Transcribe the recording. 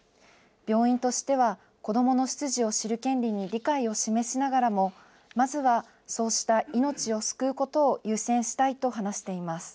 病院としては、子どもの出自を知る権利に理解を示しながらも、まずはそうした命を救うことを優先